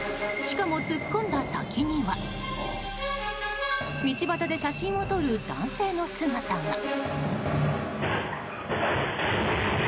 しかも突っ込んだ先には道端で写真を撮る男性の姿が。